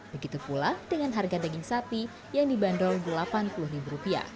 begitu pula dengan harga daging sapi yang dibanderol rp delapan puluh